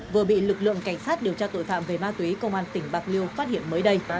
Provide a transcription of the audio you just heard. vừa bị lực lượng cảnh sát điều tra tội phạm về ma túy công an tỉnh bạc liêu phát hiện mới đây